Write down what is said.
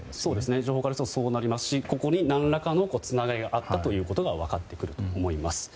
情報からするとそうなりますし何らかのつながりがあったことが分かってくると思います。